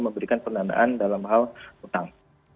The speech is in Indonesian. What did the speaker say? memberikan pendanaan dalam hal utang